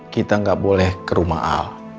kita nggak boleh ke rumah al